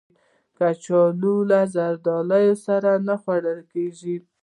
کچالو له زردالو سره نه خوړل کېږي